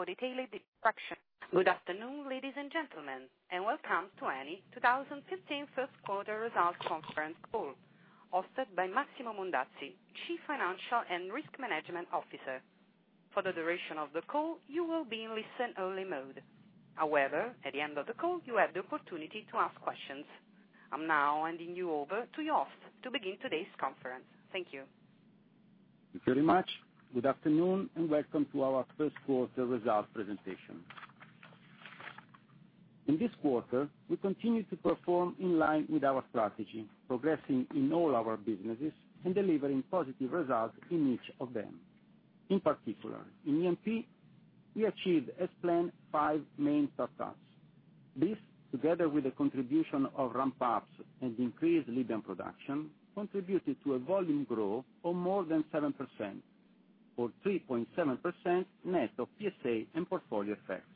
For detailed instructions. Good afternoon, ladies and gentlemen, and welcome to Eni 2015 first quarter results conference call, hosted by Massimo Mondazzi, Chief Financial and Risk Management Officer. For the duration of the call, you will be in listen only mode. However, at the end of the call, you have the opportunity to ask questions. I am now handing you over to your host to begin today's conference. Thank you. Thank you very much. Good afternoon, and welcome to our first quarter results presentation. In this quarter, we continued to perform in line with our strategy, progressing in all our businesses and delivering positive results in each of them. In particular, in E&P, we achieved as planned, five main startups. This, together with the contribution of ramp-ups and increased Libyan production, contributed to a volume growth of more than 7%, or 3.7% net of PSA and portfolio effects.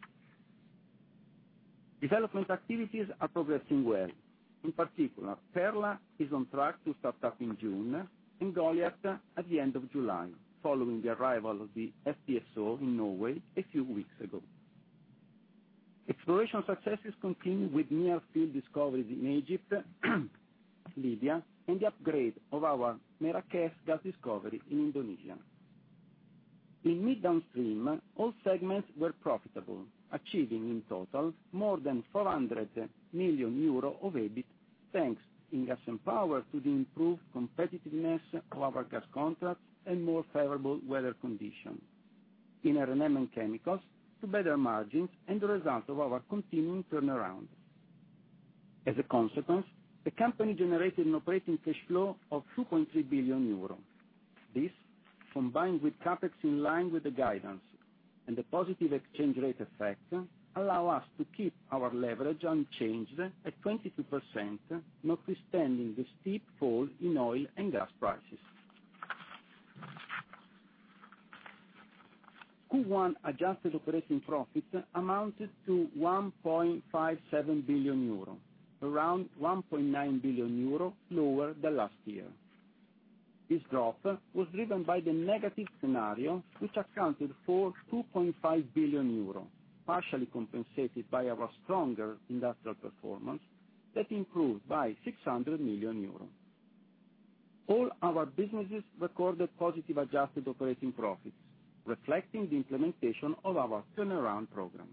Development activities are progressing well. In particular, Perla is on track to start up in June, and Goliat at the end of July, following the arrival of the FPSO in Norway a few weeks ago. Exploration success is continuing with near-field discoveries in Egypt, Libya, and the upgrade of our Merakes gas discovery in Indonesia. In midstream, all segments were profitable, achieving in total more than 400 million euro of EBIT, thanks in Gas & Power to the improved competitiveness of our gas contracts and more favorable weather conditions. In R&M and Chemicals, to better margins and the result of our continuing turnaround. As a consequence, the company generated an operating cash flow of 2.3 billion euro. This, combined with CapEx in line with the guidance and the positive exchange rate effect, allow us to keep our leverage unchanged at 22%, notwithstanding the steep fall in oil and gas prices. Q1 adjusted operating profits amounted to 1.57 billion euro, around 1.9 billion euro lower than last year. This drop was driven by the negative scenario, which accounted for 2.5 billion euro, partially compensated by our stronger industrial performance that improved by 600 million euros. All our businesses recorded positive adjusted operating profits, reflecting the implementation of our turnaround program.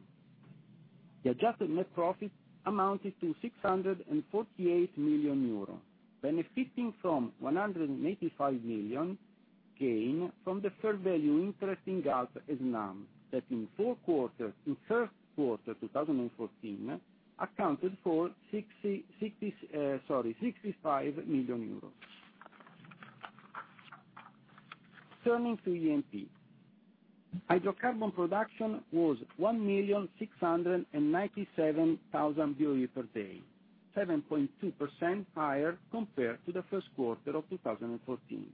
The adjusted net profit amounted to 648 million euro, benefiting from 185 million gain from the fair value interest in [Galp-Snam], that in first quarter 2014 accounted for EUR 65 million. Turning to E&P. Hydrocarbon production was 1,697,000 barrels per day, 7.2% higher compared to the first quarter of 2014.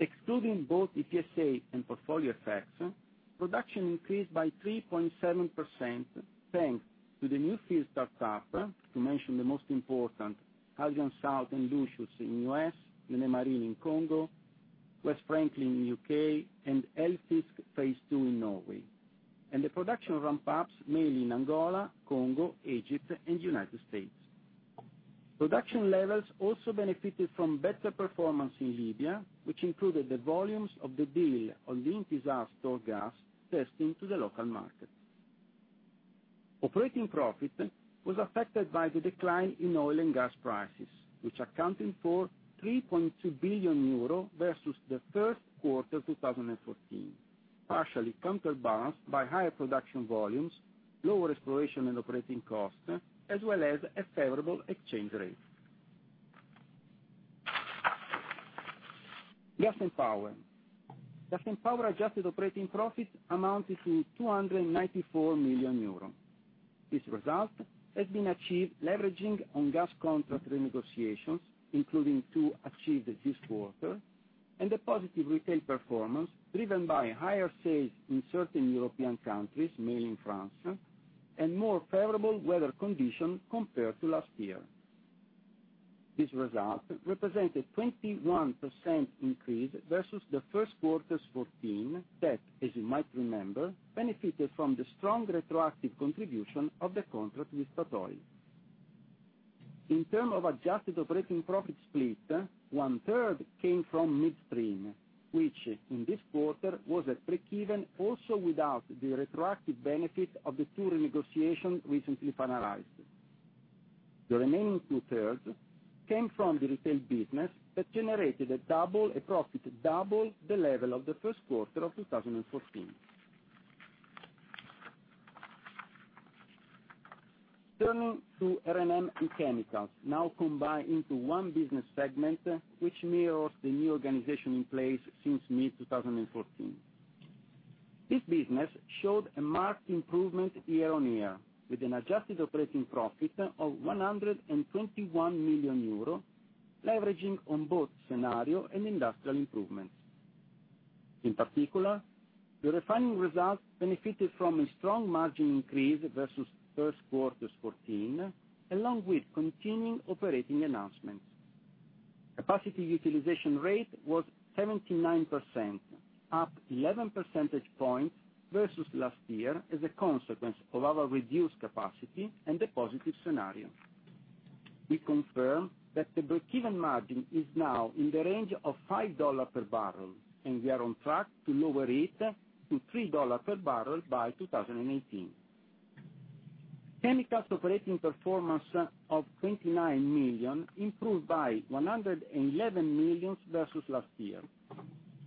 Excluding both EPSA and portfolio effects, production increased by 3.7% thanks to the new field startup, to mention the most important, Hadrian South and Lucius in U.S., Nené Marine in Congo, West Franklin in U.K., and Eldfisk Phase 2 in Norway, and the production ramp-ups, mainly in Angola, Congo, Egypt, and United States. Production levels also benefited from better performance in Libya, which included the volumes of the deal on the Intisar stored gas destined to the local market. Operating profit was affected by the decline in oil and gas prices, which accounted for 3.2 billion euro versus the first quarter 2014, partially counterbalanced by higher production volumes, lower exploration and operating costs, as well as a favorable exchange rate. Gas & Power. Gas & Power adjusted operating profit amounted to 294 million euros. This result has been achieved leveraging on gas contract renegotiations, including two achieved this quarter, and a positive retail performance driven by higher sales in certain European countries, mainly in France, and more favorable weather conditions compared to last year. This result represented 21% increase versus the first quarter 2014 that, as you might remember, benefited from the strong retroactive contribution of the contract with Statoil. In terms of adjusted operating profit split, one-third came from midstream, which in this quarter was at breakeven, also without the retroactive benefit of the two renegotiations recently finalized. The remaining two-thirds came from the retail business that generated a profit double the level of the first quarter of 2014. Turning to R&M and Chemicals, now combined into one business segment, which mirrors the new organization in place since mid-2014. This business showed a marked improvement year-over-year with an adjusted operating profit of 121 million euro, leveraging on both scenario and industrial improvements. In particular, the refining results benefited from a strong margin increase versus first quarter 2014, along with continuing operating enhancements. Capacity utilization rate was 79%, up 11 percentage points versus last year as a consequence of our reduced capacity and the positive scenario. We confirm that the breakeven margin is now in the range of $5 per barrel, and we are on track to lower it to $3 per barrel by 2018. The Chemicals operating performance of 29 million improved by 111 million versus last year,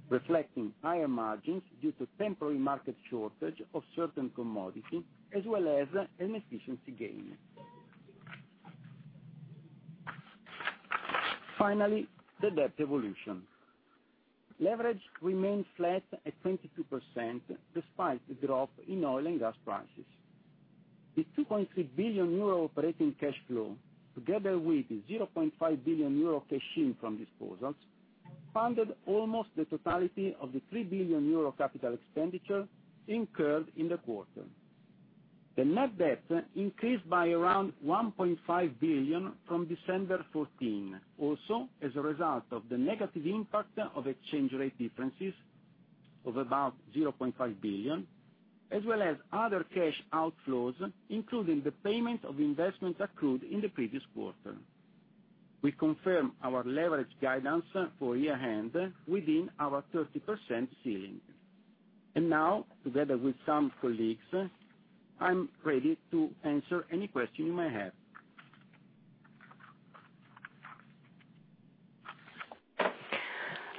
reflecting higher margins due to temporary market shortage of certain commodities as well as an efficiency gain. The debt evolution. Leverage remained flat at 22%, despite the drop in oil and gas prices. The 2.3 billion euro operating cash flow, together with 0.5 billion euro cash-in from disposals, funded almost the totality of the 3 billion euro capital expenditure incurred in the quarter. The net debt increased by around 1.5 billion from December 2014, also as a result of the negative impact of exchange rate differences of about 0.5 billion, as well as other cash outflows, including the payment of investments accrued in the previous quarter. We confirm our leverage guidance for year-end within our 30% ceiling. Now, together with some colleagues, I'm ready to answer any question you may have.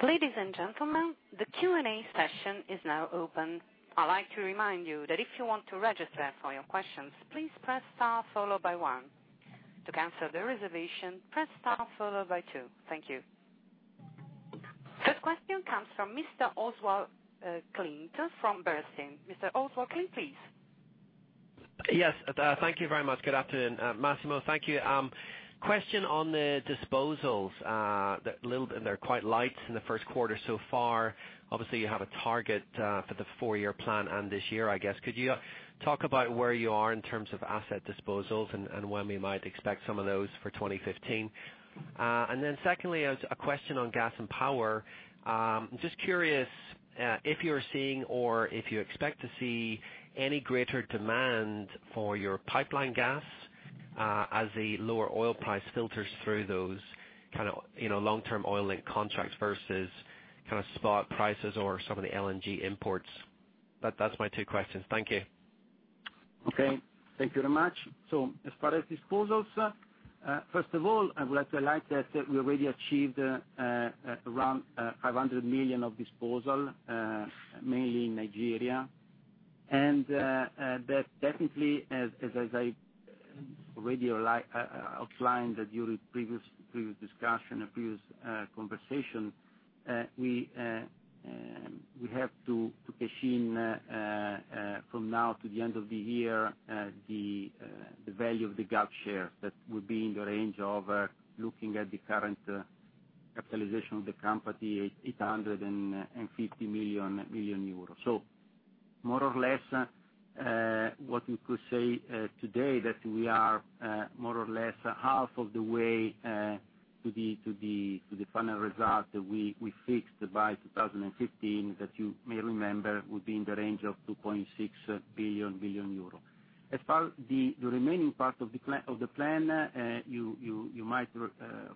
Ladies and gentlemen, the Q&A session is now open. I'd like to remind you that if you want to register for your questions, please press star followed by one. To cancel the reservation, press star followed by two. Thank you. First question comes from Mr. Oswald Clint from Bernstein. Mr. Oswald Clint, please. Yes. Thank you very much. Good afternoon, Massimo. Thank you. Question on the disposals. They're quite light in the first quarter so far. Obviously, you have a target for the four-year plan and this year, I guess. Could you talk about where you are in terms of asset disposals and when we might expect some of those for 2015? Secondly, a question on Gas & Power. Just curious if you're seeing or if you expect to see any greater demand for your pipeline gas as the lower oil price filters through those long-term oil link contracts versus spot prices or some of the LNG imports. That's my two questions. Thank you. Okay. Thank you very much. As far as disposals, first of all, I would like to highlight that we already achieved around 500 million of disposal, mainly in Nigeria. That definitely, as I already outlined during previous discussion and previous conversation, we have to cash in from now to the end of the year, the value of the Galp share that would be in the range of, looking at the current capitalization of the company, 850 million euros. More or less, what we could say today, that we are more or less half of the way to the final result that we fixed by 2015, that you may remember would be in the range of 2.6 billion. As far the remaining part of the plan, you might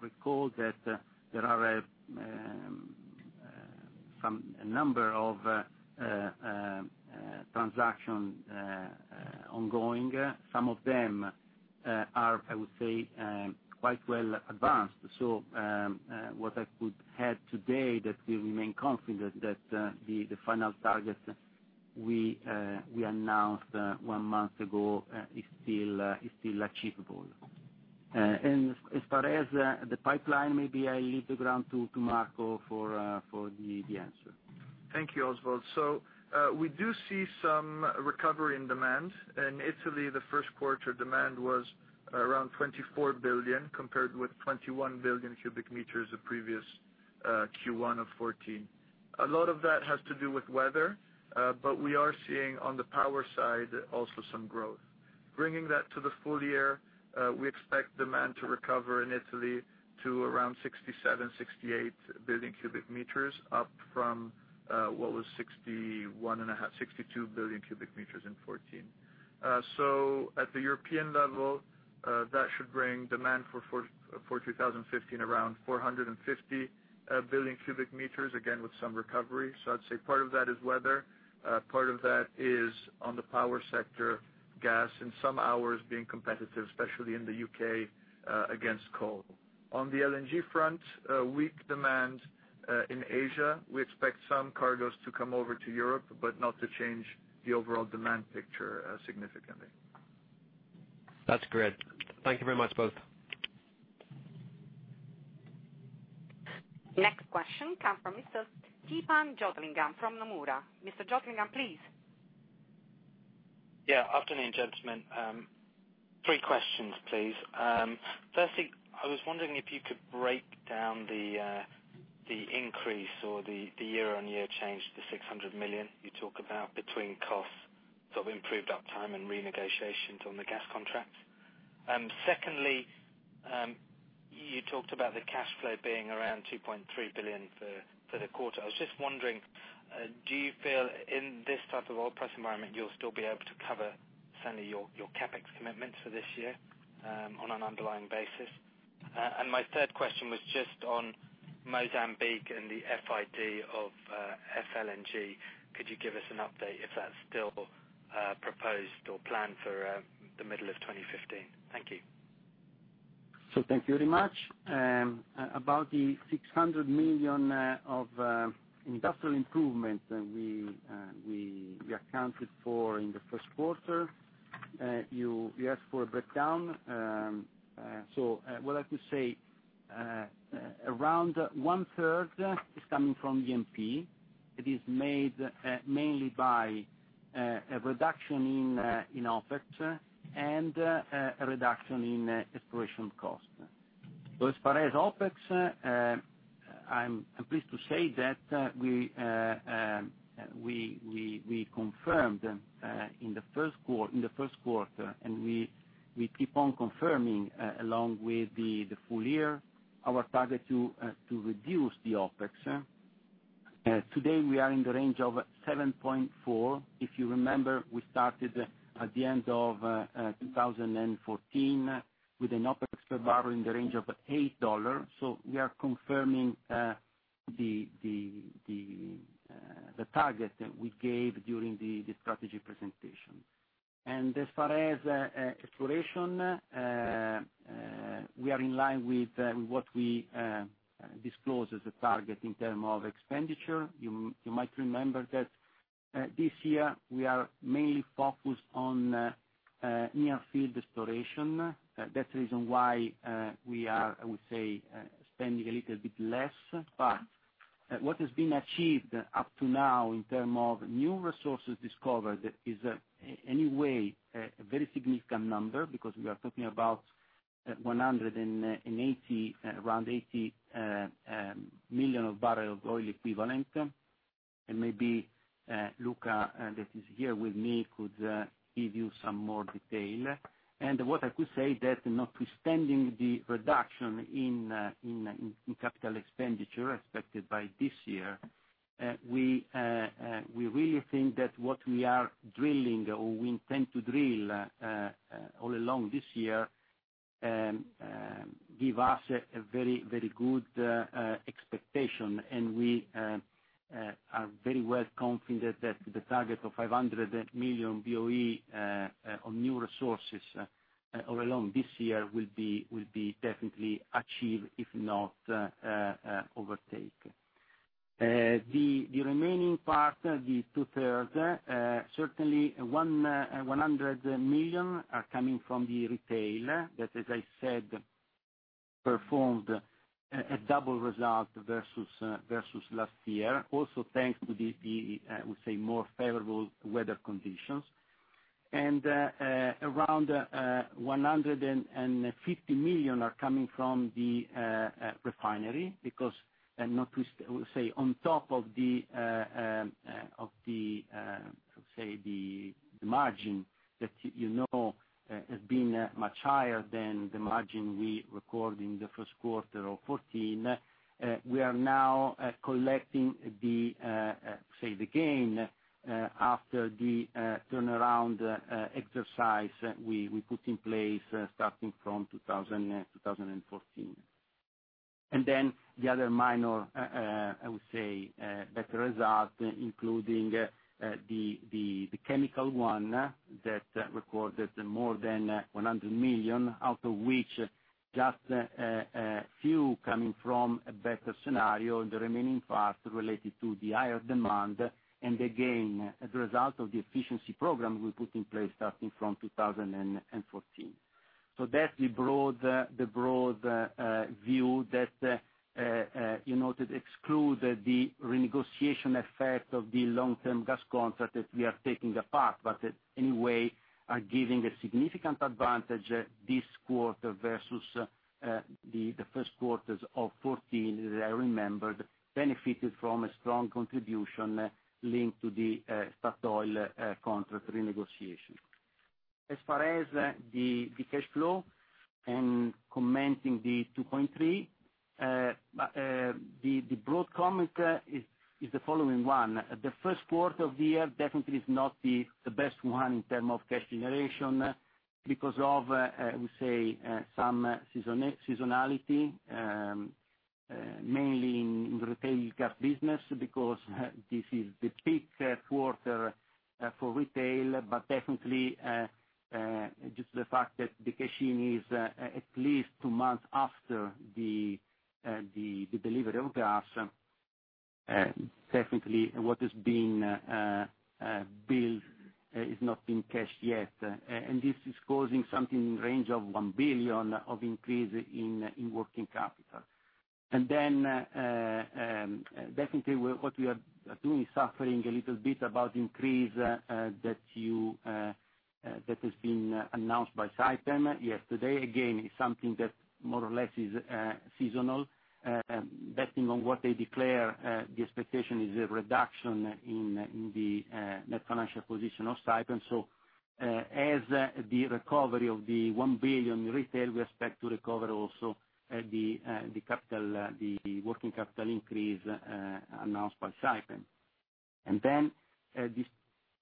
recall that there are a number of transactions ongoing. Some of them are, I would say, quite well advanced. What I could add today that we remain confident that the final target we announced one month ago is still achievable. As far as the pipeline, maybe I leave the ground to Marco for the answer. Thank you, Oswald. We do see some recovery in demand. In Italy, the first quarter demand was around 24 billion, compared with 21 billion cubic meters the previous Q1 of 2014. A lot of that has to do with weather, but we are seeing on the power side also some growth. Bringing that to the full year, we expect demand to recover in Italy to around 67, 68 billion cubic meters, up from what was 62 billion cubic meters in 2014. At the European level, that should bring demand for 2015 around 450 billion cubic meters, again, with some recovery. I'd say part of that is weather. Part of that is on the power sector, gas in some hours being competitive, especially in the U.K., against coal. On the LNG front, weak demand in Asia. We expect some cargoes to come over to Europe, but not to change the overall demand picture significantly. That's great. Thank you very much, both. Next question come from Mr. Deepan Joglekar from Nomura. Mr. Joglekar, please. Yeah. Afternoon, gentlemen. Three questions, please. Firstly, I was wondering if you could break down the increase or the year-on-year change, the 600 million you talk about between costs of improved uptime and renegotiations on the gas contracts. Secondly, you talked about the cash flow being around 2.3 billion for the quarter. I was just wondering, do you feel in this type of oil price environment, you'll still be able to cover your CapEx commitments for this year on an underlying basis? My third question was just on Mozambique and the FID of FLNG. Could you give us an update if that's still proposed or planned for the middle of 2015? Thank you. Thank you very much. About the 600 million of industrial improvement that we accounted for in the first quarter, you asked for a breakdown. What I could say, around one third is coming from E&P. It is made mainly by a reduction in OpEx and a reduction in exploration cost. As far as OpEx, I am pleased to say that we confirmed in the first quarter, and we keep on confirming along with the full year, our target to reduce the OpEx. Today, we are in the range of 7.4. If you remember, we started at the end of 2014 with an OpEx per barrel in the range of EUR 8. We are confirming the target we gave during the strategy presentation. As far as exploration, we are in line with what we disclosed as a target in terms of expenditure. You might remember that this year we are mainly focused on near field exploration. That is the reason why we are, I would say, spending a little bit less. What has been achieved up to now in terms of new resources discovered is anyway a very significant number, because we are talking about 180, around 180 million of barrel of oil equivalent. Maybe Luca, that is here with me, could give you some more detail. What I could say that notwithstanding the reduction in capital expenditure expected by this year, we really think that what we are drilling, or we intend to drill all along this year, give us a very good expectation. We are very well confident that the target of 500 million BOE on new resources all along this year will be definitely achieved, if not overtaken. The remaining part, the two thirds, certainly 100 million are coming from the retail that, as I said, performed a double result versus last year, also thanks to the, I would say, more favorable weather conditions. Around 150 million are coming from the refinery because, I would say on top of the margin that you know has been much higher than the margin we record in the first quarter of 2014, we are now collecting the gain after the turnaround exercise we put in place starting from 2014. The other minor, I would say, better result, including the chemical one that recorded more than 100 million, out of which just a few coming from a better scenario, the remaining part related to the higher demand, again, as a result of the efficiency program we put in place starting from 2014. That is the broad view that excludes the renegotiation effect of the long-term gas contract that we are taking apart, but anyway, are giving a significant advantage this quarter versus the first quarters of 2014 that I remembered benefited from a strong contribution linked to the Statoil contract renegotiation. As far as the cash flow and commenting the 2.3, the broad comment is the following one. The first quarter of the year definitely is not the best one in terms of cash generation because of, I would say, some seasonality, mainly in retail gas business, because this is the peak quarter for retail. Definitely, just the fact that the cash-in is at least two months after the delivery of gas, definitely what is being billed is not being cashed yet. This is causing something in range of 1 billion of increase in working capital. Definitely what we are doing is suffering a little bit about increase that has been announced by Saipem yesterday. It is something that more or less is seasonal, betting on what they declare, the expectation is a reduction in the net financial position of Saipem. As the recovery of the 1 billion retail, we expect to recover also the working capital increase announced by Saipem. This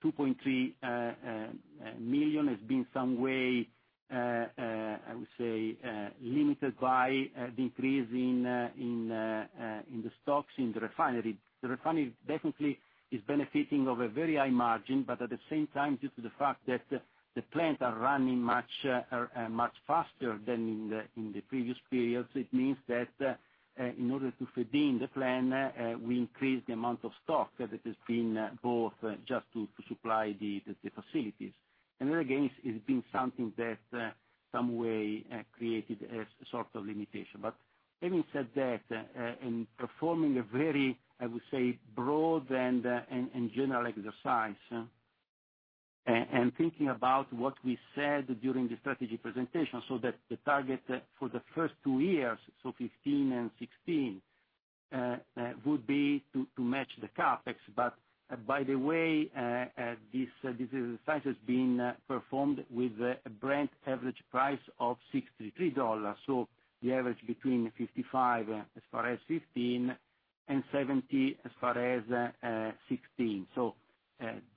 2.3 million has been some way, I would say, limited by the increase in the stocks in the refinery. The refinery definitely is benefiting of a very high margin, but at the same time, due to the fact that the plants are running much faster than in the previous periods, it means that in order to feed in the plan, we increase the amount of stock that has been bought just to supply the facilities. It has been something that some way created a sort of limitation. Having said that, in performing a very, I would say, broad and general exercise, thinking about what we said during the strategy presentation, that the target for the first two years, 2015 and 2016, would be to match the CapEx. By the way, this exercise has been performed with a Brent average price of $63. The average between $55, as far as 2015, and $70 as far as 2016.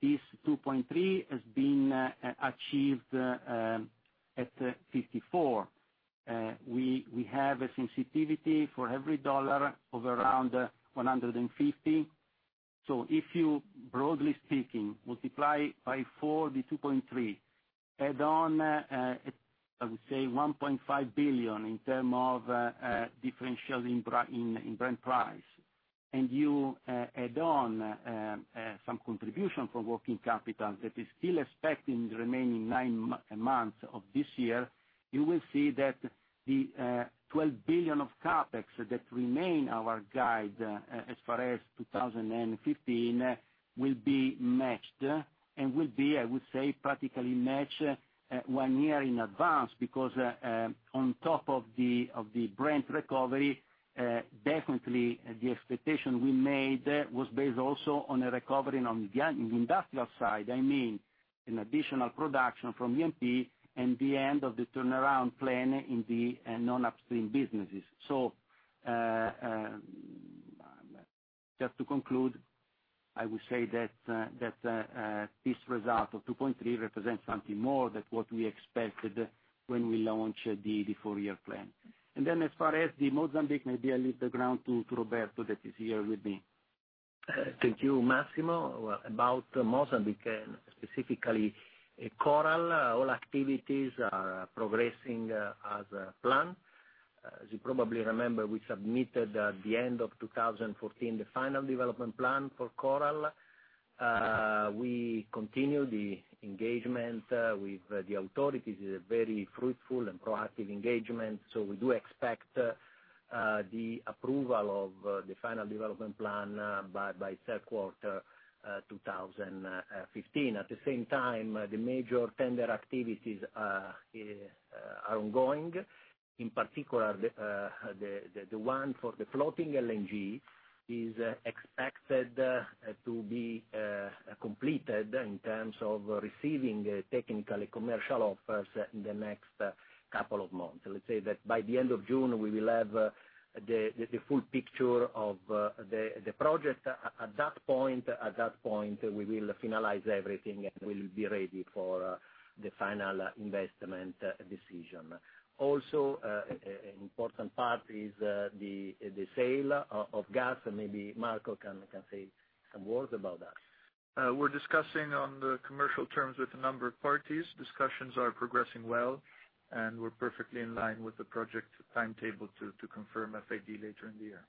This 2.3 million has been achieved at $54. We have a sensitivity for every dollar of around 150. If you, broadly speaking, multiply by four the 2.3 million, add on, I would say 1.5 billion in term of differential in Brent price, you add on some contribution from working capital that is still expecting the remaining nine months of this year, you will see that the 12 billion of CapEx that remain our guide as far as 2015 will be matched and will be, I would say, practically matched one year in advance because on top of the Brent recovery, definitely the expectation we made was based also on a recovery on the industrial side. I mean, an additional production from E&P and the end of the turnaround plan in the non-upstream businesses. Just to conclude, I would say that this result of 2.3 million represents something more than what we expected when we launched the four-year plan. As far as the Mozambique, maybe I leave the ground to Roberto that is here with me. Thank you, Massimo. About Mozambique, specifically Coral, all activities are progressing as planned. As you probably remember, we submitted at the end of 2014, the final development plan for Coral. We continue the engagement with the authorities. It is a very fruitful and proactive engagement, we do expect the approval of the final development plan by third quarter 2015. At the same time, the major tender activities are ongoing. In particular, the one for the floating LNG is expected to be completed in terms of receiving technical commercial offers in the next couple of months. Let's say that by the end of June, we will have the full picture of the project. At that point, we will finalize everything, and we will be ready for the final investment decision. Also, an important part is the sale of gas. Maybe Marco can say some words about that. We're discussing on the commercial terms with a number of parties. Discussions are progressing well, and we're perfectly in line with the project timetable to confirm FID later in the year.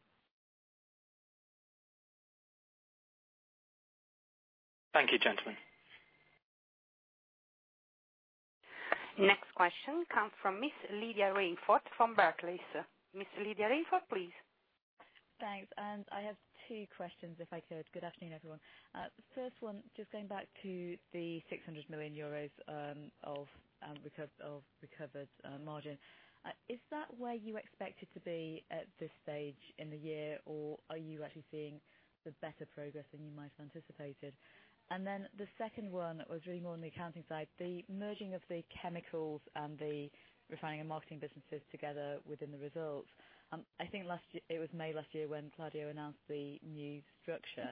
Thank you, gentlemen. Next question comes from Ms. Lydia Rainforth from Barclays. Ms. Lydia Rainforth, please. Thanks. I have two questions if I could. Good afternoon, everyone. First one, just going back to the 600 million euros of recovered margin. Is that where you expected to be at this stage in the year, or are you actually seeing the better progress than you might have anticipated? The second one was really more on the accounting side, the merging of the Chemicals and the Refining and Marketing businesses together within the results. I think it was May last year when Claudio announced the new structure.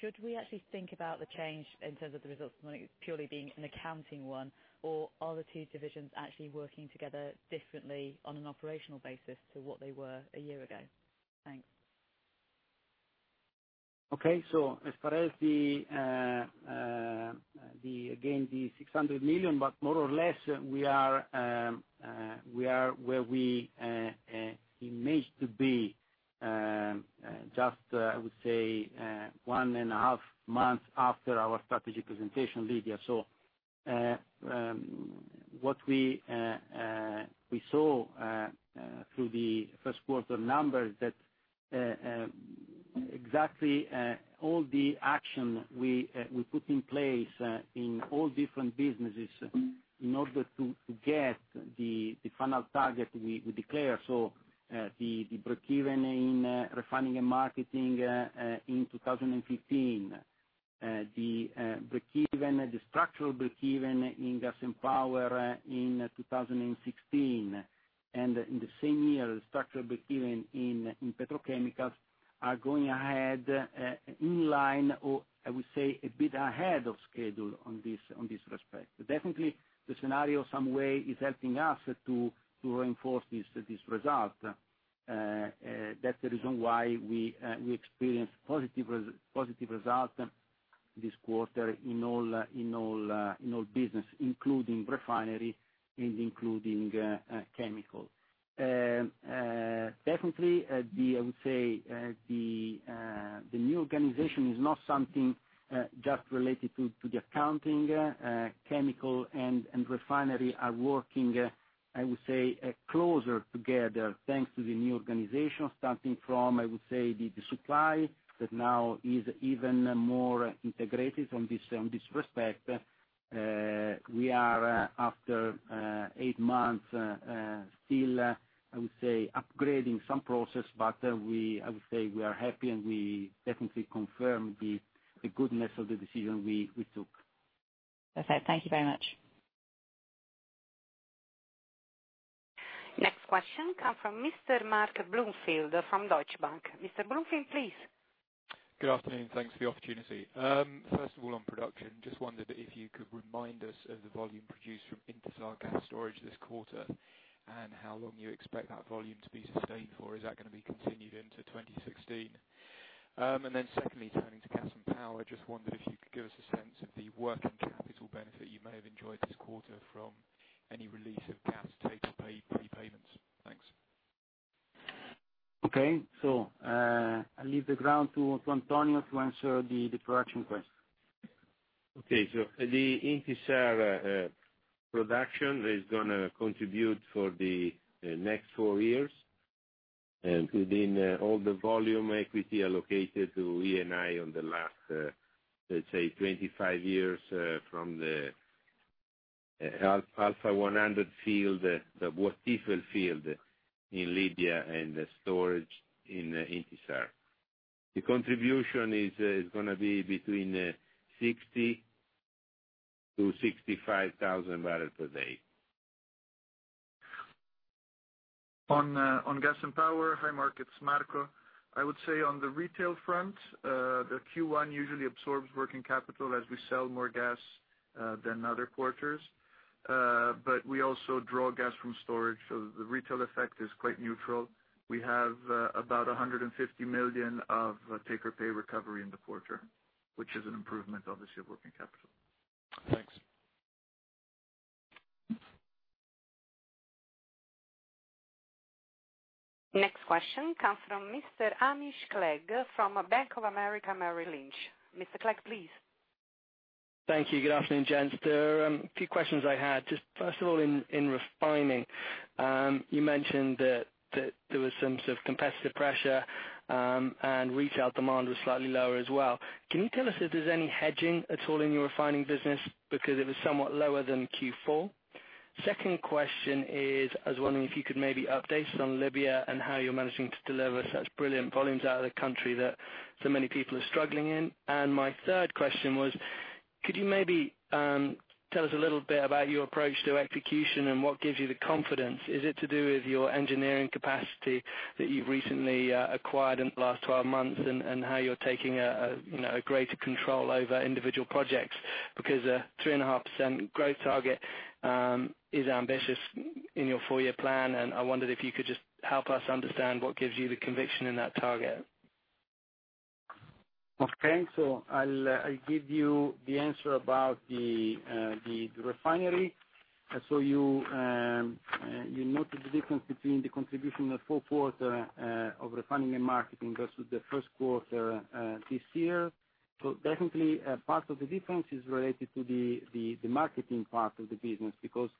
Should we actually think about the change in terms of the results purely being an accounting one, or are the two divisions actually working together differently on an operational basis to what they were a year ago? Thanks. Okay. As far as, again, the 600 million, more or less, we are where we imagine to be, just I would say, one and a half months after our strategy presentation, Lydia. What we saw through the first quarter numbers, that exactly all the action we put in place in all different businesses in order to get the final target we declare. The breakeven in Refining and Marketing in 2015, the structural breakeven in Gas and Power in 2016, and in the same year, the structural breakeven in Petrochemical are going ahead, in line or, I would say, a bit ahead of schedule in this respect. Definitely, the scenario somewhat is helping us to reinforce these results. That's the reason why we experienced positive results this quarter in all business, including Refining and including Chemicals. Definitely, I would say, the new organization is not something just related to the accounting. Chemicals and Refining are working, I would say, closer together thanks to the new organization, starting from, I would say, the supply, that now is even more integrated in this respect. We are after eight months, still, I would say, upgrading some processes. I would say we are happy, and we definitely confirm the goodness of the decision we took. Okay, thank you very much. Next question comes from Mr. Mark Bloomfield from Deutsche Bank. Mr. Bloomfield, please. Good afternoon. Thanks for the opportunity. First of all, on production, just wondered if you could remind us of the volume produced from Intisar gas storage this quarter, and how long you expect that volume to be sustained for. Is that going to be continued into 2016? Then secondly, turning to Gas & Power, just wondered if you could give us a sense of the working capital benefit you may have enjoyed this quarter from any release of gas take or prepayments. Thanks. Okay. I leave the ground to Antonio to answer the production question. Okay. The Intisar production is going to contribute for the next four years. Within all the volume equity allocated to Eni on the last, let's say, 25 years from the Alpha 100 field, the Wafa field in Libya and the storage in Intisar. The contribution is going to be between 60,000-65,000 barrels per day. On Gas & Power. Hi Mark, it's Marco. I would say on the retail front, the Q1 usually absorbs working capital as we sell more gas than other quarters. We also draw gas from storage, so the retail effect is quite neutral. We have about 150 million of take or pay recovery in the quarter, which is an improvement, obviously, of working capital. Thanks. Next question comes from Mr. Hamish Clegg from Bank of America Merrill Lynch. Mr. Clegg, please. Thank you. Good afternoon, gents. There are a few questions I had. Just first of all, in refining, you mentioned that there was some sort of competitive pressure, and retail demand was slightly lower as well. Can you tell us if there's any hedging at all in your refining business because it was somewhat lower than Q4? Second question is, I was wondering if you could maybe update us on Libya and how you're managing to deliver such brilliant volumes out of the country that so many people are struggling in. My third question was, could you maybe tell us a little bit about your approach to execution and what gives you the confidence? Is it to do with your engineering capacity that you've recently acquired in the last 12 months and how you're taking a greater control over individual projects? A 3.5% growth target is ambitious in your four-year plan, and I wondered if you could just help us understand what gives you the conviction in that target. I'll give you the answer about the refinery. You noted the difference between the contribution of fourth quarter of refining and marketing versus the first quarter this year. Definitely, part of the difference is related to the marketing part of the business because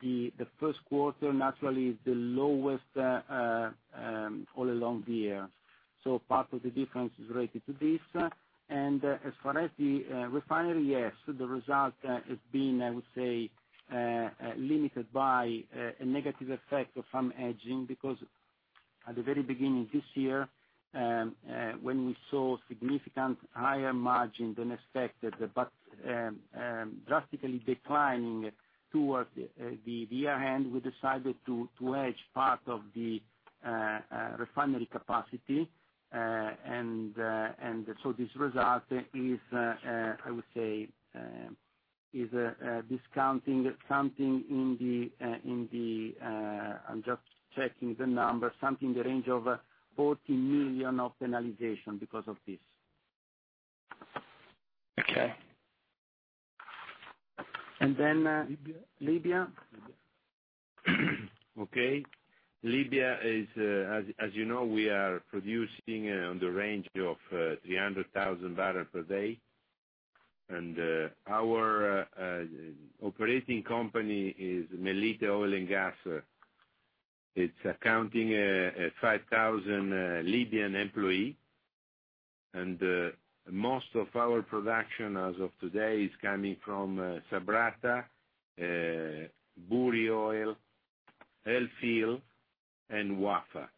the first quarter naturally is the lowest all along the year. Part of the difference is related to this. As far as the refinery, yes, the result has been, I would say, limited by a negative effect from hedging because at the very beginning this year, when we saw significant higher margin than expected, but drastically declining towards the year-end, we decided to hedge part of the refinery capacity. This result is, I would say, is discounting something in the I'm just checking the number, something in the range of 40 million of penalization because of this. Okay. Libya? Libya, as you know, we are producing on the range of 300,000 barrels per day. Our operating company is Mellitah Oil & Gas. It's accounting 5,000 Libyan employee, and most of our production as of today is coming from Sabratha, Bouri oil, El Feel and Wafa.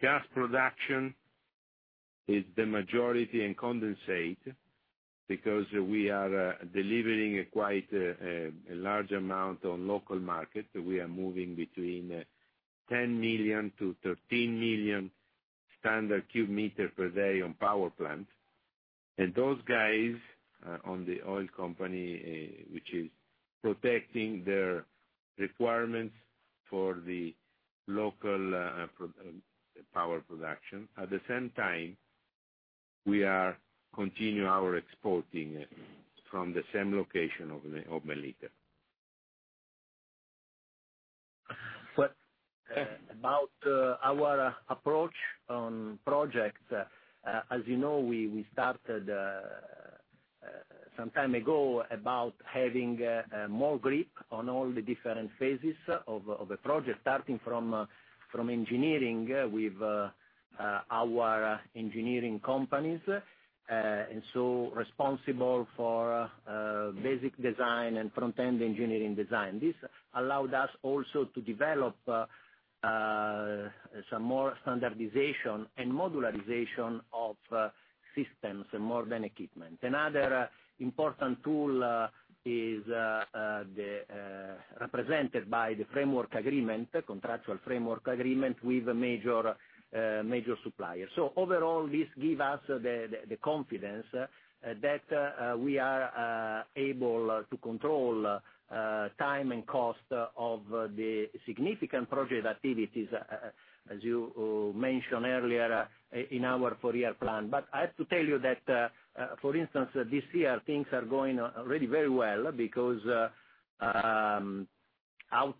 Gas production is the majority in condensate because we are delivering a large amount on local market. We are moving between 10 million to 13 million standard cubic meter per day on power plant. Those guys on the oil company, which is protecting their requirements for the local power production. At the same time, we are continue our exporting from the same location of Mellitah. About our approach on project, as you know, we started some time ago about having more grip on all the different phases of a project, starting from engineering with our engineering companies, responsible for basic design and front-end engineering design. This allowed us also to develop some more standardization and modularization of systems more than equipment. Another important tool is represented by the contractual framework agreement with major suppliers. Overall, this give us the confidence that we are able to control time and cost of the significant project activities, as you mentioned earlier, in our four-year plan. I have to tell you that, for instance, this year things are going really very well because out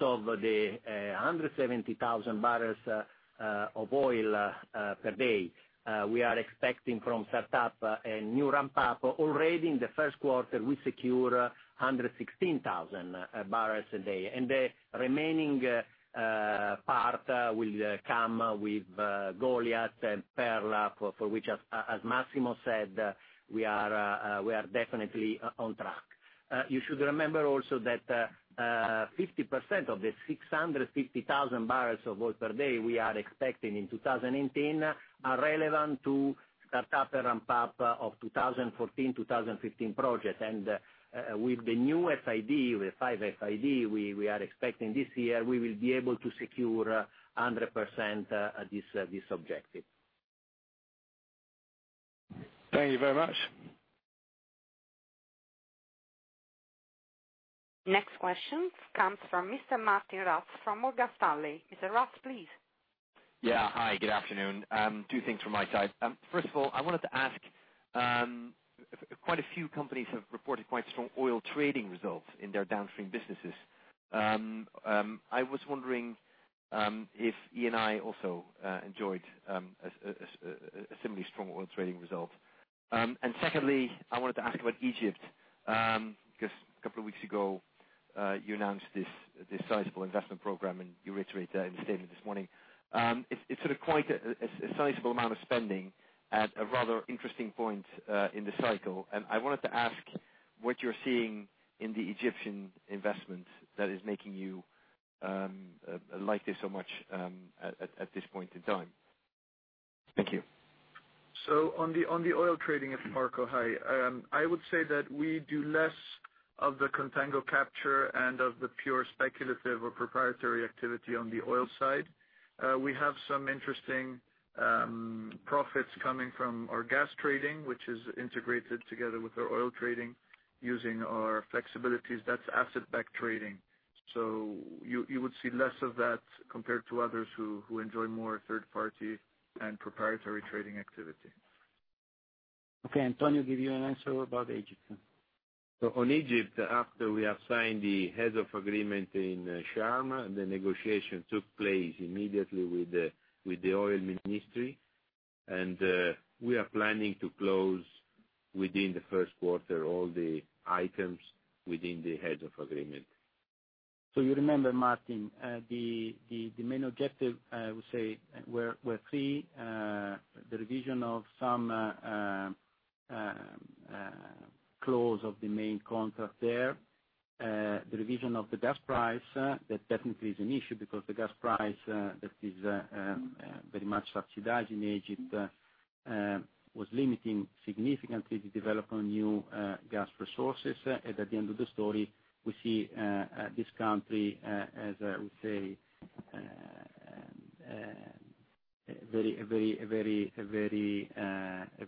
of the 170,000 barrels of oil per day we are expecting from startup and new ramp-up, already in the first quarter, we secure 116,000 barrels a day. The remaining part will come with Goliat and Perla, for which, as Massimo said, we are definitely on track. You should remember also that 50% of the 650,000 barrels of oil per day we are expecting in 2019 are relevant to start up the ramp-up of 2014, 2015 project. With the new FID, with five FID, we are expecting this year, we will be able to secure 100% this objective. Thank you very much. Next question comes from Mr. Martijn Rats from Morgan Stanley. Mr. Rats, please. Hi, good afternoon. Two things from my side. First of all, I wanted to ask, quite a few companies have reported quite strong oil trading results in their downstream businesses. I was wondering if Eni also enjoyed a similarly strong oil trading result. Secondly, I wanted to ask about Egypt, because a couple of weeks ago, you announced this sizable investment program, and you reiterate that in the statement this morning. It's quite a sizable amount of spending at a rather interesting point in the cycle. I wanted to ask what you're seeing in the Egyptian investment that is making you like this so much at this point in time. Thank you. On the oil trading, Marco, hi. I would say that we do less of the contango capture and of the pure speculative or proprietary activity on the oil side. We have some interesting profits coming from our gas trading, which is integrated together with our oil trading using our flexibilities. That's asset-backed trading. You would see less of that compared to others who enjoy more third party and proprietary trading activity. Okay, Antonio, give you an answer about Egypt. On Egypt, after we have signed the heads of agreement in Sharm, the negotiation took place immediately with the oil ministry. We are planning to close within the first quarter all the items within the heads of agreement. You remember, Martjin, the main objective, I would say, were three. The revision of some clause of the main contract there. The revision of the gas price, that definitely is an issue because the gas price that is very much subsidized in Egypt was limiting significantly the development of new gas resources. At the end of the story, we see this country, as I would say, a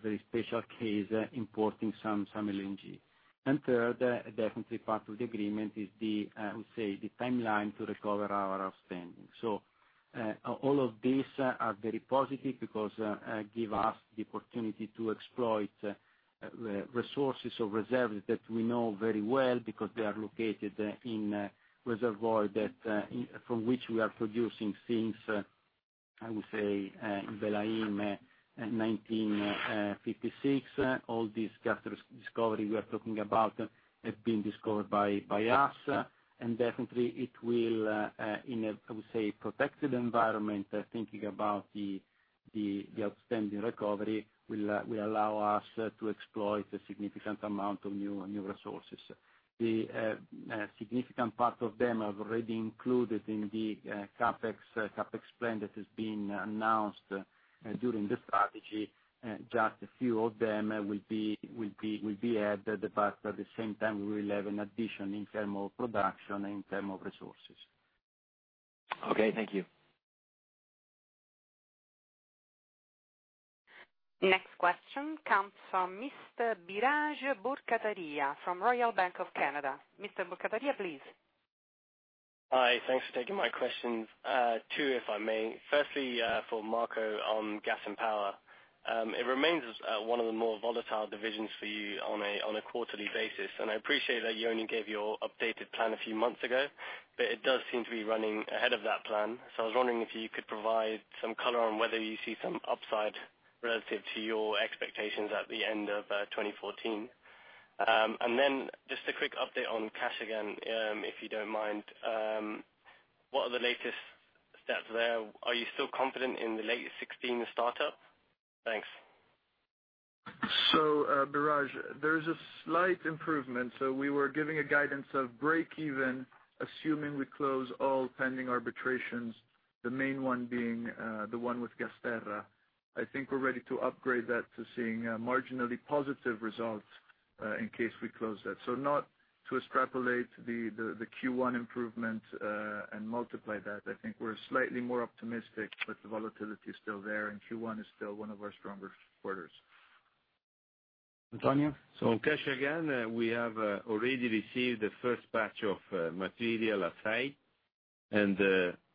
very special case, importing some LNG. Third, definitely part of the agreement is the, I would say, the timeline to recover our outstanding. All of these are very positive because they give us the opportunity to exploit the resources or reserves that we know very well because they are located in a reservoir from which we are producing since, I would say, in Belayim in 1956. All these gas discoveries we are talking about have been discovered by us, definitely it will, in a protected environment, thinking about the outstanding recovery, will allow us to exploit a significant amount of new resources. The significant part of them are already included in the CapEx plan that has been announced during the strategy. Just a few of them will be added, but at the same time, we will have an addition in terms of production and in terms of resources. Okay, thank you. Next question comes from Mr. Biraj Borkhataria from Royal Bank of Canada. Mr. Borkhataria, please. Hi. Thanks for taking my questions. Two, if I may. Firstly, for Marco on Gas & Power. It remains one of the more volatile divisions for you on a quarterly basis, and I appreciate that you only gave your updated plan a few months ago, but it does seem to be running ahead of that plan. I was wondering if you could provide some color on whether you see some upside relative to your expectations at the end of 2014. Then just a quick update on Kashagan, if you don't mind. What are the latest steps there? Are you still confident in the late 2016 startup? Thanks. Biraj, there is a slight improvement. We were giving a guidance of break even, assuming we close all pending arbitrations, the main one being the one with Gazprom. I think we're ready to upgrade that to seeing marginally positive results, in case we close that. Not to extrapolate the Q1 improvement and multiply that. I think we're slightly more optimistic, but the volatility is still there, and Q1 is still one of our stronger quarters. Antonio? On Kashagan, we have already received the first batch of material aside, and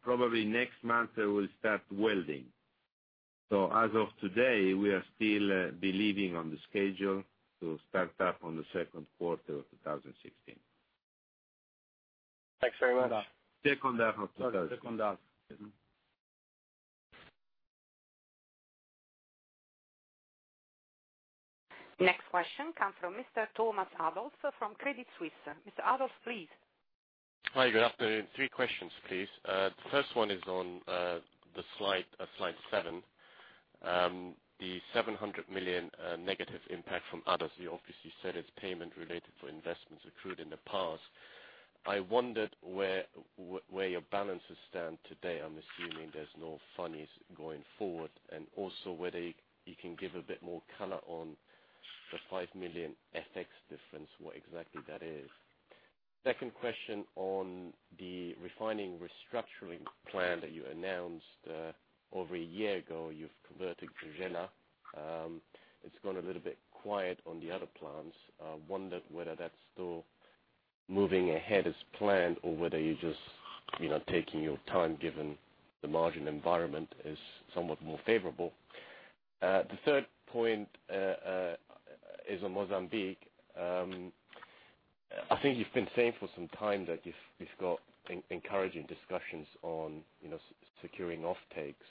probably next month we will start welding. As of today, we are still believing on the schedule to start up on the second quarter of 2016. Thanks very much. Second half of 2016. Second half. Next question comes from Mr. Thomas Adolff from Credit Suisse. Mr. Adolff, please. Hi, good afternoon. Three questions, please. The first one is on the slide seven. The 700 million negative impact from others, you obviously said it's payment related for investments accrued in the past. I wondered where your balances stand today. I'm assuming there's no fund is going forward. I also wondered whether you can give a bit more color on the 5 million FX difference, what exactly that is. Second question on the refining restructuring plan that you announced over a year ago. You've converted Gela. It's gone a little bit quiet on the other plants. I wondered whether that's still moving ahead as planned or whether you're just taking your time given the margin environment is somewhat more favorable. The third point is on Mozambique. I think you've been saying for some time that you've got encouraging discussions on securing offtakes.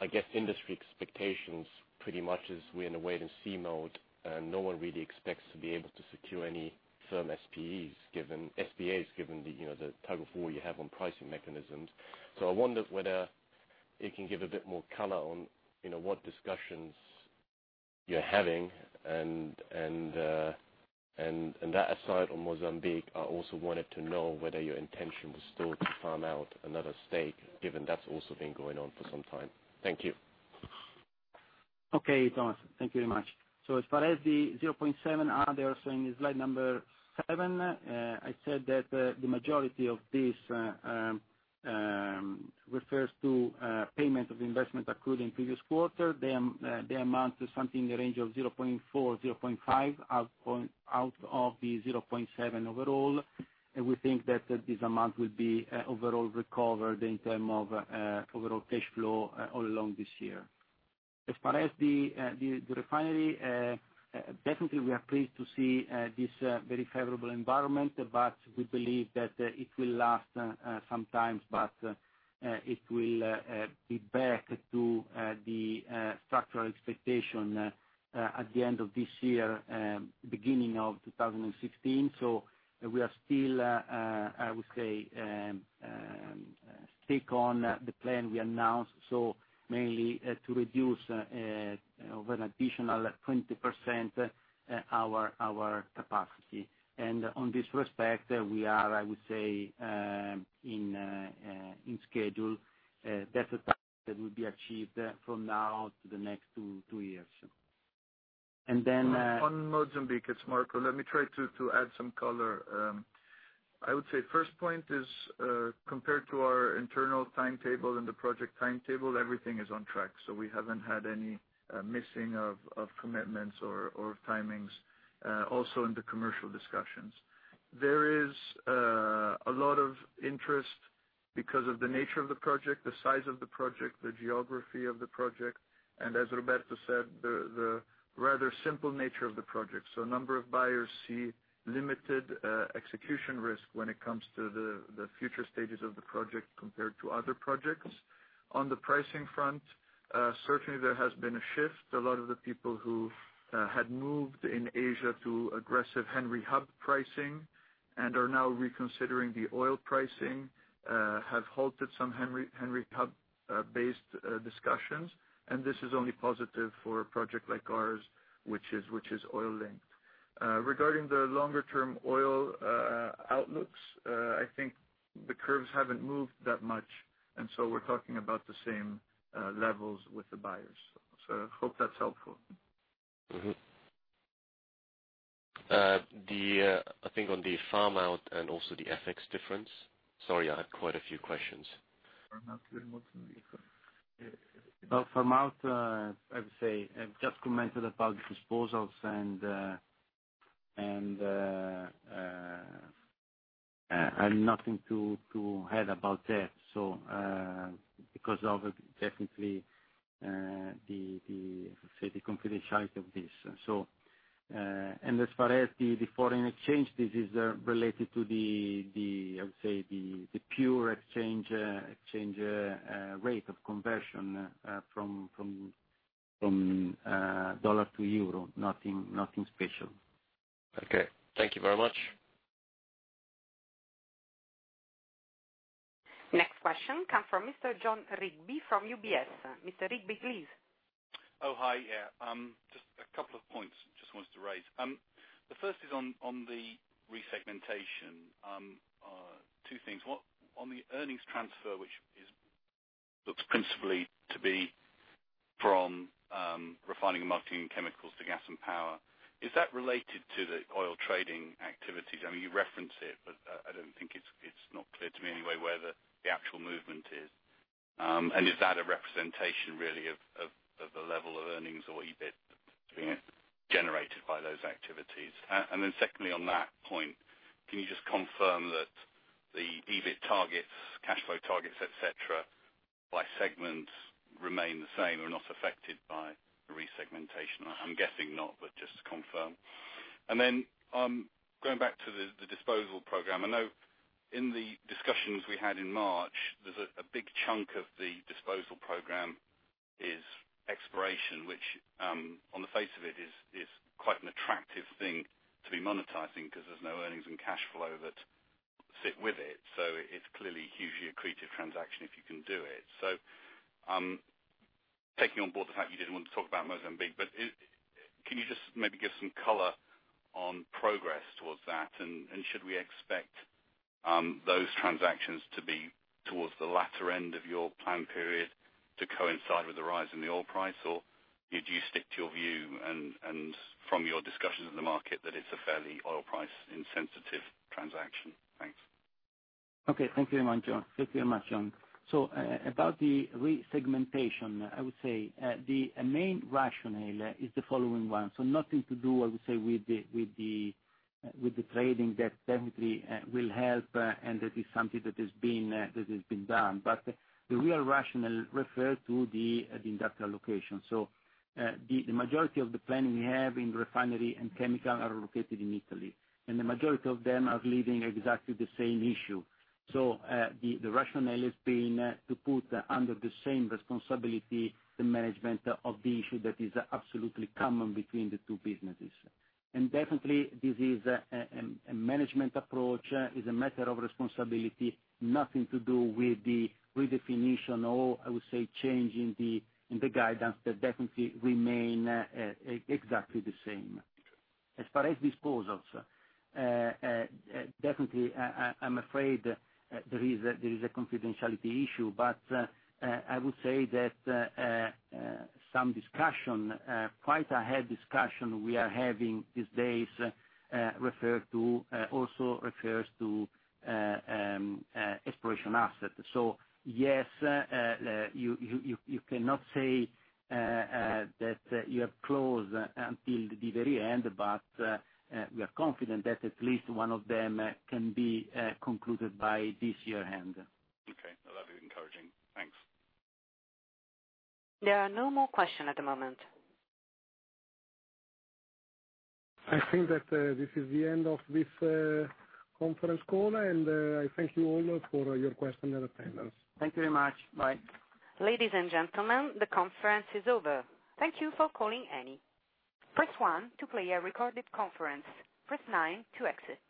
I guess industry expectations, pretty much is we're in a wait and see mode. No one really expects to be able to secure any firm SPAs, given the tug of war you have on pricing mechanisms. I wondered whether you can give a bit more color on what discussions you're having. That aside, on Mozambique, I also wanted to know whether your intention was still to farm out another stake, given that's also been going on for some time. Thank you. Okay, Thomas. Thank you very much. As far as the 0.7 are there, in slide number seven, I said that the majority of this refers to payment of investment accrued in previous quarter. The amount is something in the range of 0.4, 0.5 out of the 0.7 overall. We think that this amount will be overall recovered in terms of overall cash flow all along this year. Regarding the refinery, definitely we are pleased to see this very favorable environment, we believe that it will last some time, it will be back to the structural expectation at the end of this year, beginning of 2016. We are still, I would say, stick to the plan we announced. Mainly to reduce over an additional 20% our capacity. In this respect, we are, I would say, in schedule. That target will be achieved from now to the next two years. On Mozambique, it's Marco. Let me try to add some color. I would say first point is, compared to our internal timetable and the project timetable, everything is on track. We haven't had any missing of commitments or timings, also in the commercial discussions. A lot of interest because of the nature of the project, the size of the project, the geography of the project, and as Roberto said, the rather simple nature of the project. A number of buyers see limited execution risk when it comes to the future stages of the project compared to other projects. On the pricing front, certainly there has been a shift. A lot of the people who had moved in Asia to aggressive Henry Hub pricing and are now reconsidering the oil pricing, have halted some Henry Hub-based discussions, this is only positive for a project like ours, which is oil-linked. Regarding the longer-term oil outlooks, I think the curves haven't moved that much, we're talking about the same levels with the buyers. Hope that's helpful. I think on the farm-out and also the FX difference. Sorry, I have quite a few questions. Farm-out Well, farm-out, I would say, I've just commented about disposals and I've nothing to add about that. Because of definitely the, let's say, the confidentiality of this. As far as the foreign exchange, this is related to the, I would say, the pure exchange rate of conversion from dollar to euro. Nothing special. Okay. Thank you very much. Next question comes from Mr. Jon Rigby from UBS. Mr. Rigby, please. Just a couple of points I wanted to raise. The first is on the resegmentation. Two things. One, on the earnings transfer, which looks principally to be from refining and marketing chemicals to Gas & Power, is that related to the oil trading activities? You reference it, but I don't think it's not clear to me, anyway, where the actual movement is. Is that a representation, really, of the level of earnings or EBIT being generated by those activities? Secondly, on that point, can you just confirm that the EBIT targets, cash flow targets, et cetera, by segment remain the same, are not affected by the resegmentation? I'm guessing not, but just to confirm. Going back to the disposal program, I know in the discussions we had in March, there's a big chunk of the disposal program is exploration, which, on the face of it, is quite an attractive thing to be monetizing because there's no earnings and cash flow that sit with it. It's clearly hugely accretive transaction if you can do it. Taking on board the fact you didn't want to talk about Mozambique, but can you just maybe give some color on progress towards that, and should we expect those transactions to be towards the latter end of your plan period to coincide with the rise in the oil price? Or did you stick to your view and from your discussions in the market that it's a fairly oil price insensitive transaction? Thanks. Thank you very much, Jon. About the resegmentation, I would say, the main rationale is the following one. Nothing to do, I would say, with the trading that definitely will help, and that is something that has been done. The real rationale refers to the industrial location. The majority of the planning we have in refinery and chemical are located in Italy, and the majority of them are living exactly the same issue. The rationale has been to put under the same responsibility the management of the issue that is absolutely common between the two businesses. Definitely, this is a management approach, is a matter of responsibility. Nothing to do with the redefinition or, I would say, change in the guidance that definitely remain exactly the same. As far as disposals, definitely, I'm afraid there is a confidentiality issue, but I would say that some discussion, quite ahead discussion we are having these days, also refers to exploration asset. Yes, you cannot say that you have closed until the very end, but we are confident that at least one of them can be concluded by this year end. Okay. Well, that's encouraging. Thanks. There are no more questions at the moment. I think that this is the end of this conference call, and I thank you all for your questions and attendance. Thank you very much. Bye. Ladies and gentlemen, the conference is over. Thank you for calling Eni. Press 1 to play a recorded conference. Press 9 to exit.